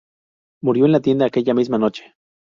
Murió en la tienda aquella misma noche.